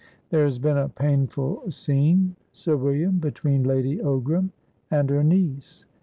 "There has been a painful scene, Sir William, between Lady Ogram and her niece.